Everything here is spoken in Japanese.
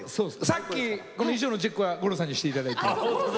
さっき衣装のチェックは五郎さんにしていただいて。